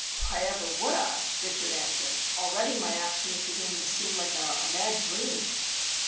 "Why ever would I?" Richard answered. "Already my action is beginning to seem like a mad dream."